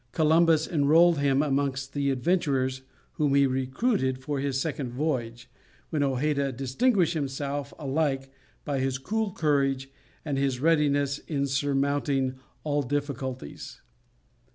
Columbus enrolled him amongst the adventurers whom he recruited for his second voyage, when Hojeda distinguished himself alike by his cool courage and his readiness in surmounting all difficulties.